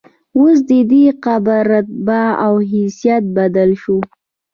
اوس ددې قبر رتبه او حیثیت بدل شو.